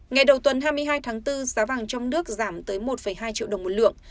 ngày đầu tuần hai mươi hai tháng bốn giá vàng trong nước giảm tới một hai triệu đồng một lượng